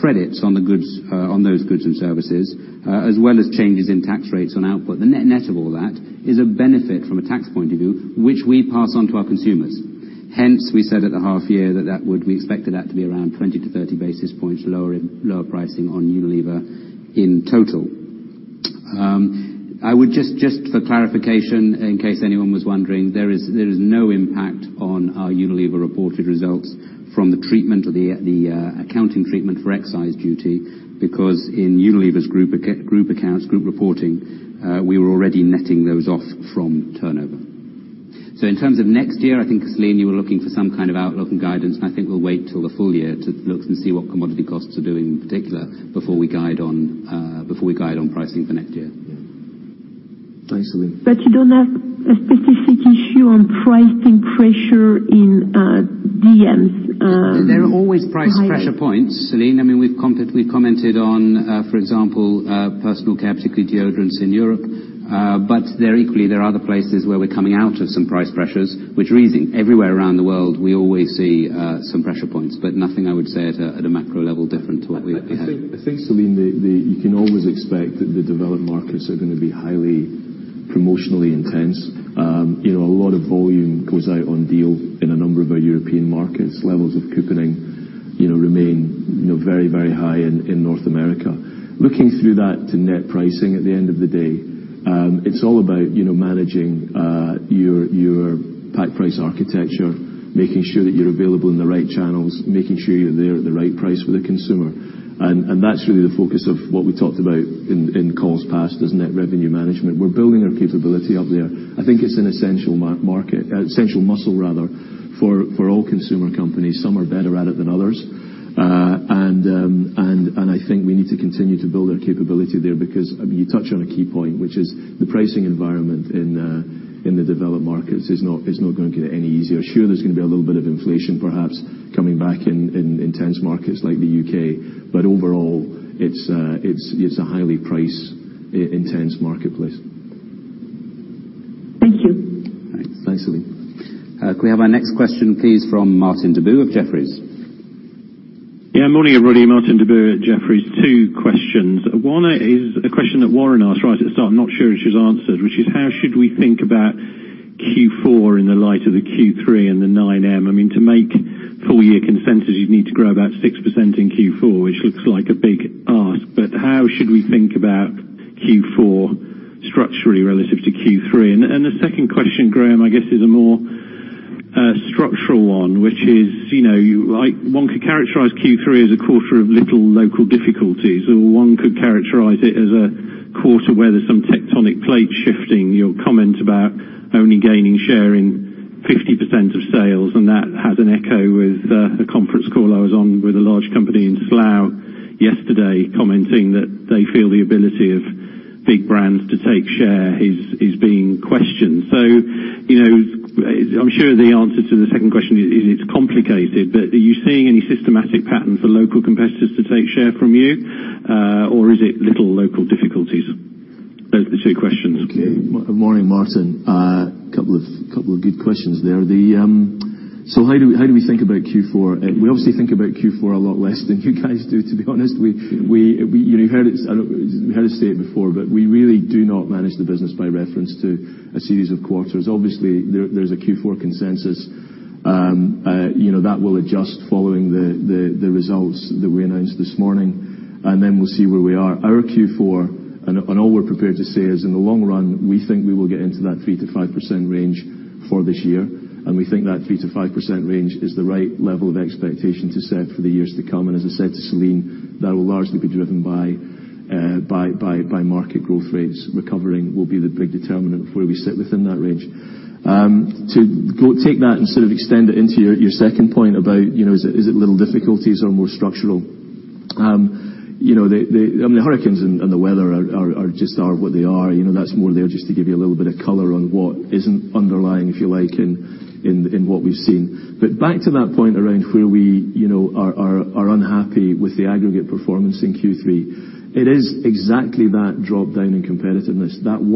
credits on those goods and services, as well as changes in tax rates on output. The net of all that is a benefit from a tax point of view, which we pass on to our consumers. Hence, we said at the half year that we expected that to be around 20 to 30 basis points lower pricing on Unilever in total. Just for clarification, in case anyone was wondering, there is no impact on our Unilever reported results from the accounting treatment for excise duty because in Unilever's group accounts, group reporting, we were already netting those off from turnover. In terms of next year, I think, Celine, you were looking for some kind of outlook and guidance, and I think we'll wait till the full year to look and see what commodity costs are doing in particular before we guide on pricing for next year. Yeah. Thanks, Celine. You don't have a specific issue on pricing pressure in DMs? There are always price pressure points, Celine. We've commented on, for example, personal care, particularly deodorants in Europe, but equally, there are other places where we're coming out of some price pressures, which we're easing. Everywhere around the world, we always see some pressure points, but nothing I would say at a macro level different to what we had had. I think, Celine, that you can always expect that the Developed Markets are going to be highly promotionally intense. A lot of volume goes out on deal in a number of our European markets. Levels of couponing remain very, very high in North America. Looking through that to net pricing at the end of the day, it's all about managing your pack price architecture, making sure that you're available in the right channels, making sure you're there at the right price for the consumer, and that's really the focus of what we talked about in calls past, is net revenue management. We're building our capability up there. I think it's an essential market, essential muscle rather, for all consumer companies. Some are better at it than others. I think we need to continue to build our capability there because you touch on a key point, which is the pricing environment in the Developed Markets is not going to get any easier. Sure, there's going to be a little bit of inflation, perhaps coming back in intense markets like the U.K., but overall it's a highly price intense marketplace. Thank you. Thanks, Celine. Could we have our next question, please, from Martin Deboo of Jefferies? Yeah, morning, everybody. Martin Deboo at Jefferies. Two questions. One is a question that Warren asked right at the start, I'm not sure if it was answered, which is how should we think about Q4 in the light of the Q3 and the 9M? To make full year consensus, you'd need to grow about 6% in Q4, which looks like a big ask, but how should we think about Q4 structurally relative to Q3? The second question, Graeme, I guess is a more structural one, which is, one could characterize Q3 as a quarter of little local difficulties, or one could characterize it as a quarter where there's some tectonic plate shifting. Your comment about only gaining share in 50% of sales, that has an echo with a conference call I was on with a large company in Slough yesterday, commenting that they feel the ability of big brands to take share is being questioned. I'm sure the answer to the second question is it's complicated, but are you seeing any systematic pattern for local competitors to take share from you? Or is it little local difficulties? Those are the two questions. Morning, Martin. A couple of good questions there. How do we think about Q4? We obviously think about Q4 a lot less than you guys do, to be honest. You've heard us state it before, but we really do not manage the business by reference to a series of quarters. Obviously, there's a Q4 consensus, that will adjust following the results that we announced this morning, then we'll see where we are. Our Q4, all we're prepared to say is, in the long run, we think we will get into that 3%-5% range for this year, and we think that 3%-5% range is the right level of expectation to set for the years to come. As I said to Celine, that will largely be driven by market growth rates. Recovering will be the big determinant of where we sit within that range. To take that and sort of extend it into your second point about, is it little difficulties or more structural? The hurricanes and the weather just are what they are. That's more there just to give you a little bit of color on what isn't underlying, if you like, in what we've seen. Back to that point around where we are unhappy with the aggregate performance in Q3, it is exactly that drop down in competitiveness, that 1%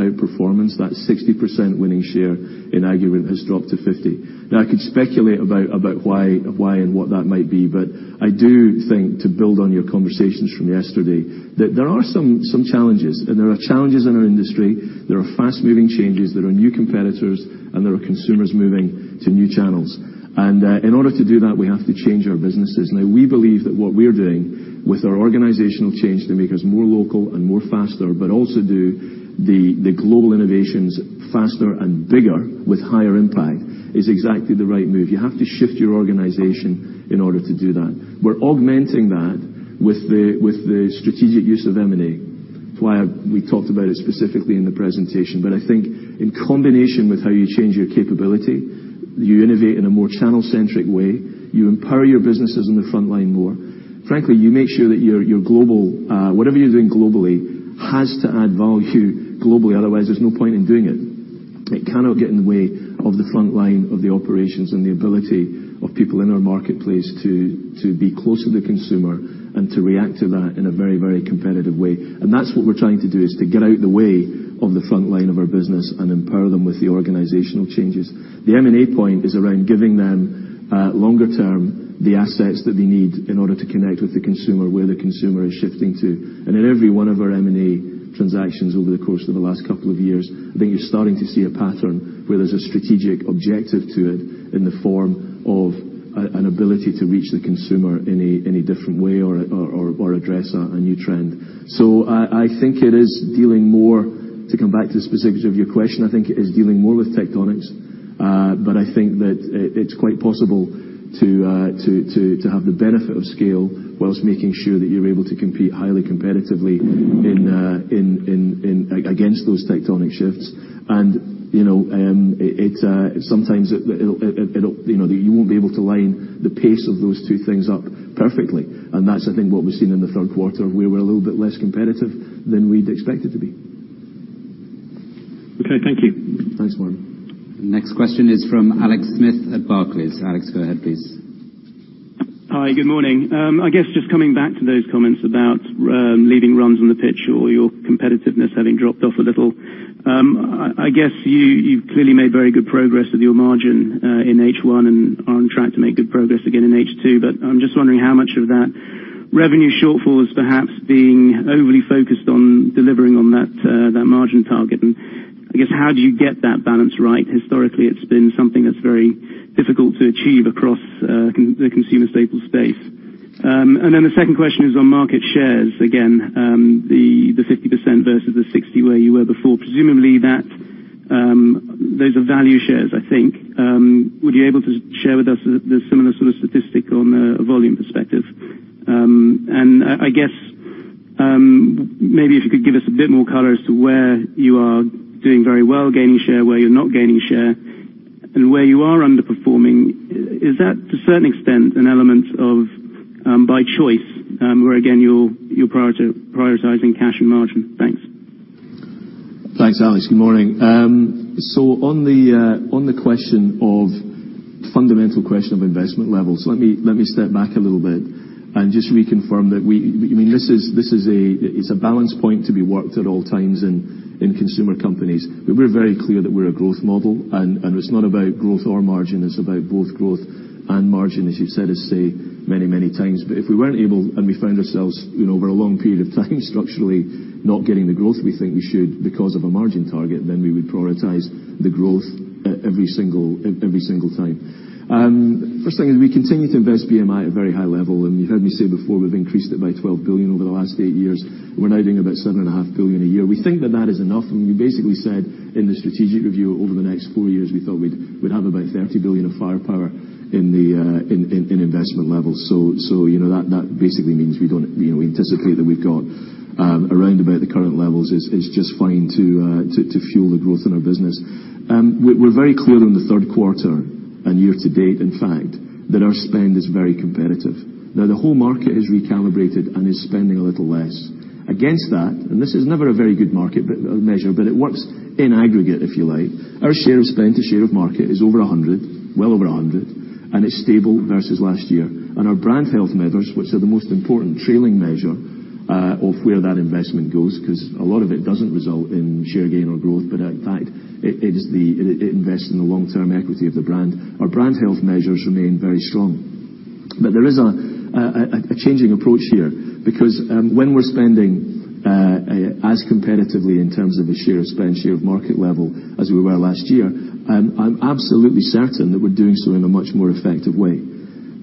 outperformance, that 60% winning share in argument has dropped to 50%. I could speculate about why and what that might be, but I do think to build on your conversations from yesterday, that there are some challenges, and there are challenges in our industry. There are fast moving changes. There are new competitors, and there are consumers moving to new channels. In order to do that, we have to change our businesses. We believe that what we're doing with our organizational change to make us more local and more faster, but also do the global innovations faster and bigger with higher impact, is exactly the right move. You have to shift your organization in order to do that. We're augmenting that with the strategic use of M&A, that's why we talked about it specifically in the presentation. I think in combination with how you change your capability, you innovate in a more channel-centric way. You empower your businesses on the front line more. Frankly, you make sure that your global, whatever you're doing globally, has to add value globally. Otherwise, there's no point in doing it. It cannot get in the way of the front line of the operations and the ability of people in our marketplace to be close to the consumer and to react to that in a very, very competitive way. That's what we're trying to do, is to get out the way of the front line of our business and empower them with the organizational changes. The M&A point is around giving them, longer term, the assets that they need in order to connect with the consumer where the consumer is shifting to. In every one of our M&A transactions over the course of the last couple of years, I think you're starting to see a pattern where there's a strategic objective to it in the form of an ability to reach the consumer in a different way or address a new trend. I think it is dealing more, to come back to the specifics of your question, I think it is dealing more with tectonics. I think that it's quite possible to have the benefit of scale whilst making sure that you're able to compete highly competitively against those tectonic shifts. Sometimes you won't be able to line the pace of those two things up perfectly, and that's, I think, what we've seen in the third quarter, where we're a little bit less competitive than we'd expected to be. Okay, thank you. Thanks, Warren. The next question is from Alex Smith at Barclays. Alex, go ahead, please. Hi, good morning. I guess just coming back to those comments about leaving runs on the pitch or your competitiveness having dropped off a little. I guess you've clearly made very good progress with your margin in H1 and are on track to make good progress again in H2, but I'm just wondering how much of that revenue shortfall is perhaps being overly focused on delivering on that margin target. I guess how do you get that balance right? Historically, it's been something that's very difficult to achieve across the consumer staples space. The second question is on market shares, again, the 50% versus the 60% where you were before. Presumably those are value shares, I think. Would you be able to share with us the similar sort of statistic on a volume perspective? I guess, maybe if you could give us a bit more color as to where you are doing very well gaining share, where you're not gaining share, and where you are underperforming. Is that to a certain extent an element of by choice, where again, you're prioritizing cash and margin? Thanks. Thanks, Alex. Good morning. On the fundamental question of investment levels, let me step back a little bit and just reconfirm that this is a balance point to be worked at all times in consumer companies. We're very clear that we're a growth model, and it's not about growth or margin. It's about both growth and margin, as you've said us say many, many times. If we weren't able and we found ourselves over a long period of time structurally not getting the growth we think we should because of a margin target, then we would prioritize the growth every single time. First thing is we continue to invest BMI at a very high level, and you've heard me say before, we've increased it by 12 billion over the last eight years. We're now doing about 7.5 billion a year. We think that that is enough, and we basically said in the strategic review, over the next four years, we thought we'd have about 30 billion of firepower in investment levels. That basically means we anticipate that we've got around about the current levels. It's just fine to fuel the growth in our business. We're very clear on the third quarter and year to date, in fact, that our spend is very competitive. Now the whole market has recalibrated and is spending a little less. Against that, and this is never a very good measure, but it works in aggregate, if you like. Our share of spend to share of market is over 100, well over 100, and it's stable versus last year. Our brand health measures, which are the most important trailing measure of where that investment goes, because a lot of it doesn't result in share gain or growth, but in fact, it invests in the long-term equity of the brand. Our brand health measures remain very strong. There is a changing approach here, because when we're spending as competitively in terms of the share of spend, share of market level as we were last year, I'm absolutely certain that we're doing so in a much more effective way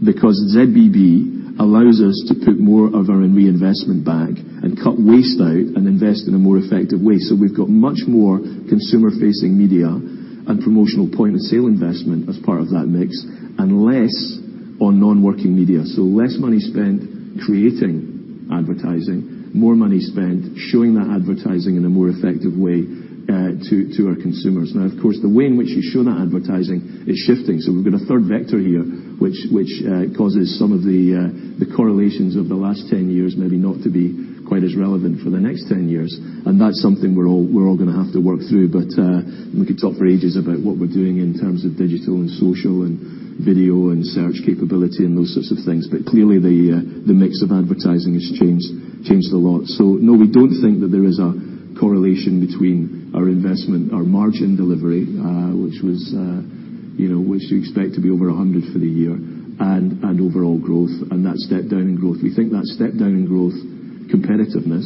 because ZBB allows us to put more of our reinvestment back and cut waste out and invest in a more effective way. We've got much more consumer-facing media and promotional point of sale investment as part of that mix, and less on non-working media. Less money spent creating advertising, more money spent showing that advertising in a more effective way to our consumers. Of course, the way in which you show that advertising is shifting. We've got a third vector here, which causes some of the correlations of the last 10 years maybe not to be quite as relevant for the next 10 years. That's something we're all going to have to work through. We could talk for ages about what we're doing in terms of digital and social and video and search capability and those sorts of things. Clearly, the mix of advertising has changed a lot. No, we don't think that there is a correlation between our investment, our margin delivery, which you expect to be over 100 for the year, and overall growth and that step down in growth. We think that step down in growth competitiveness,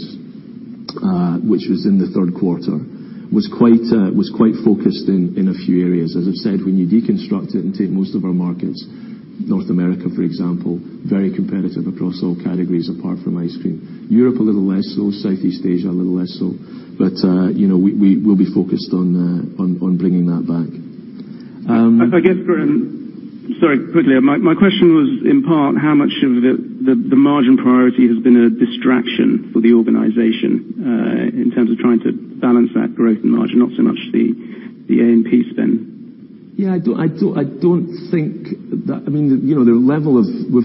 which was in the third quarter, was quite focused in a few areas. As I've said, when you deconstruct it and take most of our markets, North America, for example, very competitive across all categories apart from ice cream. Europe, a little less so. Southeast Asia, a little less so. We'll be focused on bringing that back. Sorry, quickly. My question was in part how much of the margin priority has been a distraction for the organization in terms of trying to balance that growth and margin, not so much the A&P spend. We've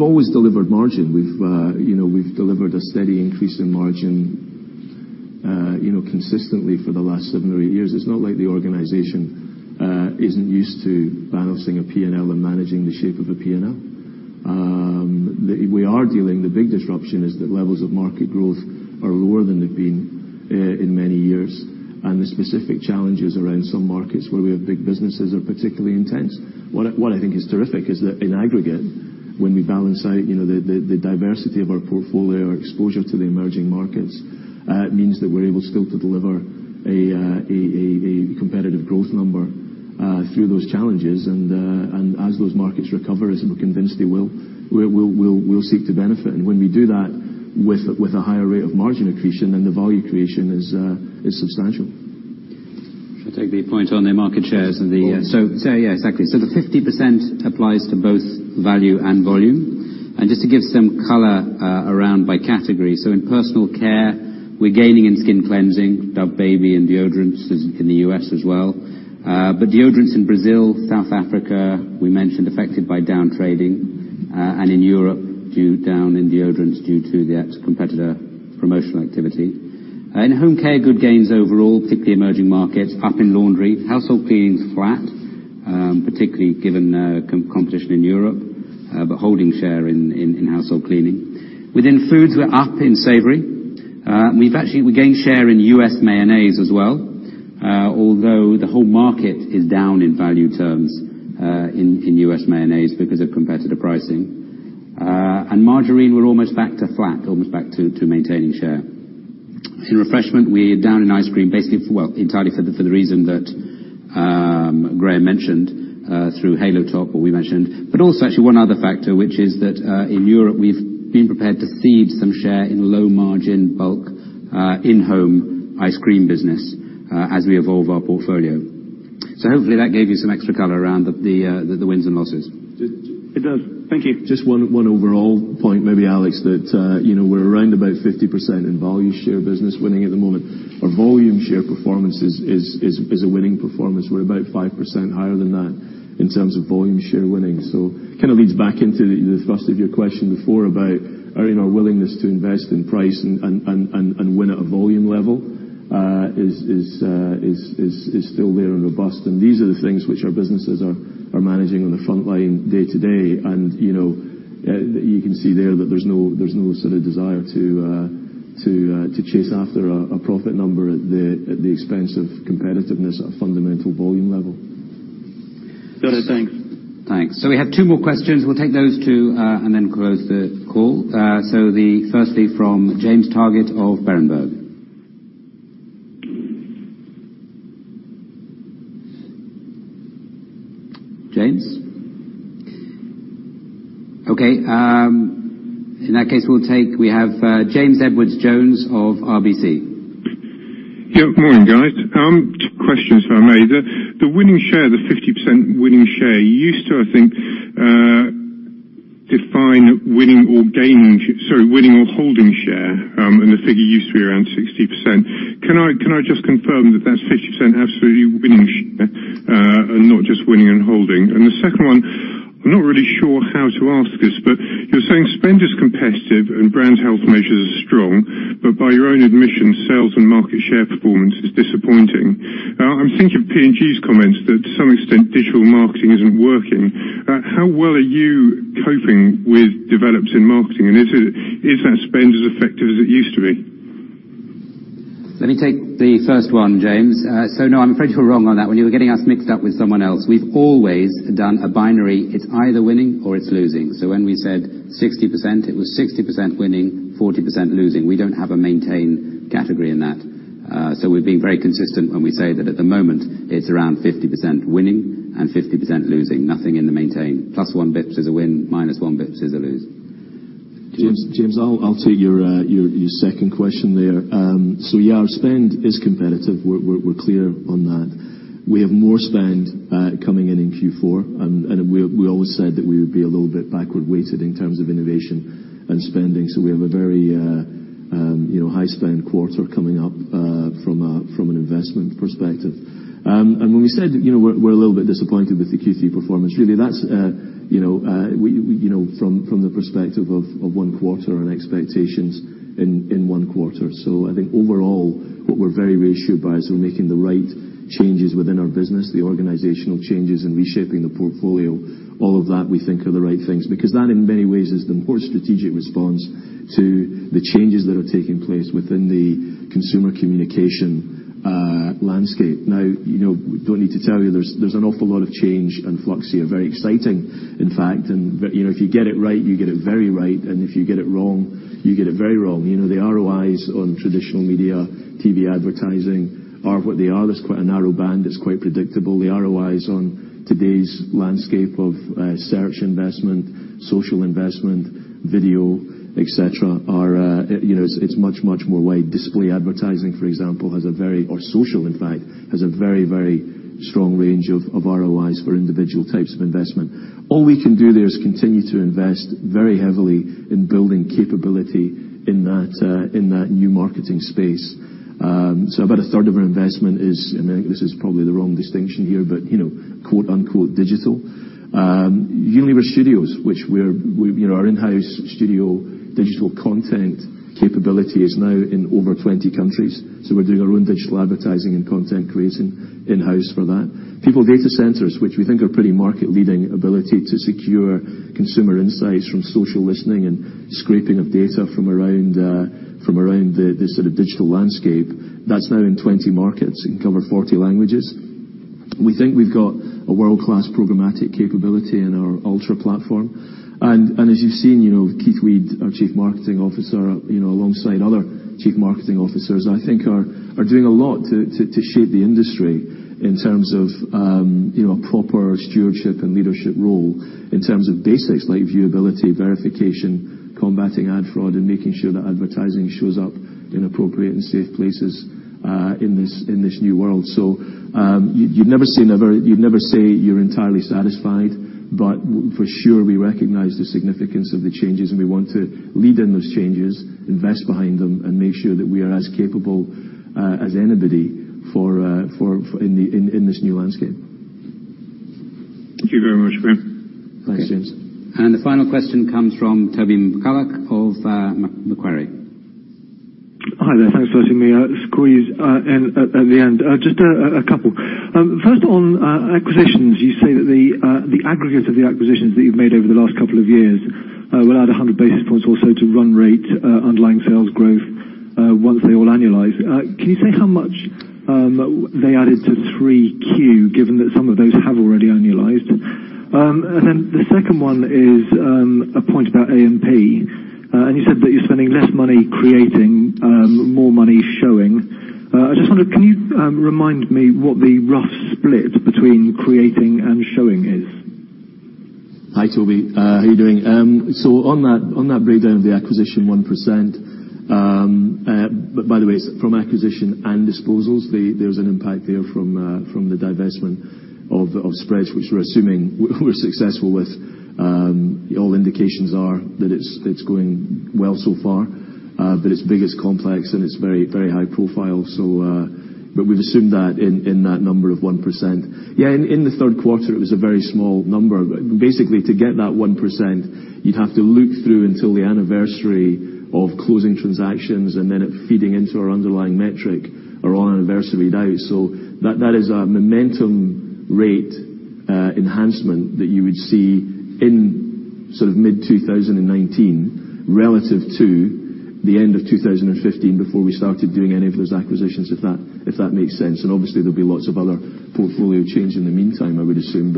always delivered margin. We've delivered a steady increase in margin consistently for the last seven or eight years. It's not like the organization isn't used to balancing a P&L and managing the shape of a P&L. The big disruption is that levels of market growth are lower than they've been in many years, and the specific challenges around some markets where we have big businesses are particularly intense. What I think is terrific is that in aggregate, when we balance out the diversity of our portfolio, our exposure to the emerging markets, it means that we're able still to deliver a competitive growth number through those challenges. As those markets recover, as we're convinced they will, we'll seek to benefit. When we do that with a higher rate of margin accretion, then the value creation is substantial. I'll take the point on the market shares and the. Of course. Yeah, exactly. The 50% applies to both value and volume. Just to give some color around by category. In personal care, we're gaining in skin cleansing, Baby Dove, and deodorants in the U.S. as well. Deodorants in Brazil, South Africa, we mentioned, affected by down trading, and in Europe, down in deodorants due to the competitor promotional activity. In home care, good gains overall, particularly emerging markets, up in laundry. Household cleaning is flat, particularly given competition in Europe, but holding share in household cleaning. Within foods, we're up in savory. We've actually gained share in U.S. mayonnaise as well, although the whole market is down in value terms in U.S. mayonnaise because of competitor pricing. Margarine, we're almost back to flat, almost back to maintaining share. In refreshment, we're down in ice cream, entirely for the reason that Graeme mentioned, through Halo Top, what we mentioned, but also actually one other factor, which is that in Europe, we've been prepared to cede some share in low-margin bulk in-home ice cream business as we evolve our portfolio. Hopefully, that gave you some extra color around the wins and losses. It does. Thank you. Just one overall point maybe, Alex, that we're around about 50% in value share business winning at the moment. Our volume share performance is a winning performance. We're about 5% higher than that in terms of volume share winning. Leads back into the thrust of your question before about our willingness to invest in price and win at a volume level is still there and robust. These are the things which our businesses are managing on the front line day to day. You can see there that there's no sort of desire to chase after a profit number at the expense of competitiveness at a fundamental volume level. Got it, thanks. Thanks. We have two more questions. We'll take those two and then close the call. Firstly from James Targett of Berenberg. James? Okay. In that case, we'll take, we have James Edwardes Jones of RBC. Yeah. Morning, guys. Two questions, if I may. The winning share, the 50% winning share, you used to, I think, define winning or gaining, sorry, winning or holding share, and the figure used to be around 60%. Can I just confirm that that's 50% absolutely winning share and not just winning and holding? The second one, I'm not really sure how to ask this, but you're saying spend is competitive and brand health measures are strong, but by your own admission, sales and market share performance is disappointing. I'm thinking of P&G's comments that to some extent, digital marketing isn't working. How well are you coping with developments in marketing, and is that spend as effective as it used to be? Let me take the first one, James. No, I'm afraid you're wrong on that one. You were getting us mixed up with someone else. We've always done a binary, it's either winning or it's losing. When we said 60%, it was 60% winning, 40% losing. We don't have a maintain category in that. We've been very consistent when we say that at the moment, it's around 50% winning and 50% losing. Nothing in the maintain. Plus one basis point is a win, minus one basis point is a lose. James, I'll take your second question there. Yeah, our spend is competitive. We're clear on that. We have more spend coming in in Q4, and we always said that we would be a little bit backward-weighted in terms of innovation and spending. We have a very high-spend quarter coming up from an investment perspective. When we said we're a little bit disappointed with the Q3 performance, really that's from the perspective of one quarter and expectations in one quarter. I think overall, what we're very reassured by is we're making the right changes within our business, the organizational changes, and reshaping the portfolio. All of that we think are the right things, because that, in many ways, is the more strategic response to the changes that are taking place within the consumer communication landscape. Don't need to tell you, there's an awful lot of change and flux here. Very exciting, in fact. If you get it right, you get it very right, and if you get it wrong, you get it very wrong. The ROIs on traditional media, TV advertising are what they are. There's quite a narrow band that's quite predictable. The ROIs on today's landscape of search investment, social investment, video, et cetera, it's much, much more wide. Display advertising, for example, or social, in fact, has a very, very strong range of ROIs for individual types of investment. All we can do there is continue to invest very heavily in building capability in that new marketing space. About a third of our investment is, and this is probably the wrong distinction here, but quote-unquote "digital." Unilever Studios, which our in-house studio digital content capability is now in over 20 countries. We're doing our own digital advertising and content creation in-house for that. People data centers, which we think are pretty market-leading ability to secure consumer insights from social listening and scraping of data from around the sort of digital landscape, that's now in 20 markets and cover 40 languages. We think we've got a world-class programmatic capability in our Ultra platform. As you've seen, Keith Weed, our Chief Marketing Officer, alongside other Chief Marketing Officers, I think are doing a lot to shape the industry in terms of proper stewardship and leadership role in terms of basics like viewability, verification, combating ad fraud, and making sure that advertising shows up in appropriate and safe places in this new world. You'd never say you're entirely satisfied, but for sure, we recognize the significance of the changes, and we want to lead in those changes, invest behind them, and make sure that we are as capable as anybody in this new landscape. Thank you very much, Graeme. Thanks, James. The final question comes from Toby McCullagh of Macquarie. Hi there. Thanks for letting me squeeze in at the end. Just a couple. First, on acquisitions. You say that the aggregate of the acquisitions that you've made over the last couple of years will add 100 basis points or so to run rate underlying sales growth, once they all annualize. Can you say how much they added to 3Q, given that some of those have already annualized? The second one is a point about A&P, and you said that you're spending less money creating, more money showing. I just wonder, can you remind me what the rough split between creating and showing is? Hi, Toby. How are you doing? On that breakdown of the acquisition 1%, by the way, it's from acquisition and disposals. There's an impact there from the divestment of spreads, which we're assuming we're successful with. All indications are that it's going well so far. Its biggest complex, and it's very, very high profile. We've assumed that in that number of 1%. Yeah, in the third quarter, it was a very small number. Basically, to get that 1%, you'd have to look through until the anniversary of closing transactions, and then it feeding into our underlying metric are on anniversary day. That is a momentum rate enhancement that you would see in mid-2019 relative to the end of 2015 before we started doing any of those acquisitions, if that makes sense. Obviously, there'll be lots of other portfolio change in the meantime, I would assume.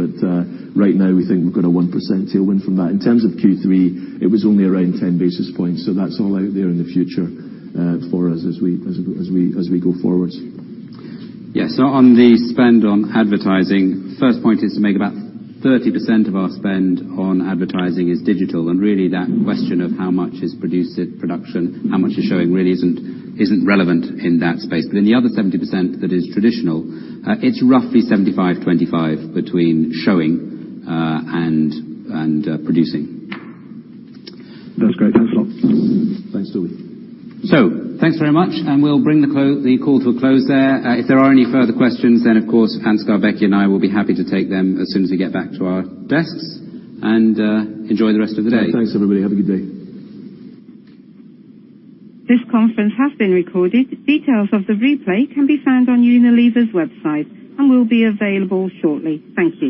Right now, we think we've got a 1% tailwind from that. In terms of Q3, it was only around 10 basis points. That's all out there in the future for us as we go forward. On the spend on advertising, first point is to make about 30% of our spend on advertising is digital. Really, that question of how much is production, how much is showing, really isn't relevant in that space. In the other 70% that is traditional, it's roughly 75/25 between showing and producing. That's great. Thanks a lot. Thanks, Toby. Thanks very much, and we'll bring the call to a close there. If there are any further questions, then, of course, Hans Skeie and I will be happy to take them as soon as we get back to our desks. Enjoy the rest of the day. Thanks, everybody. Have a good day. This conference has been recorded. Details of the replay can be found on Unilever's website and will be available shortly. Thank you.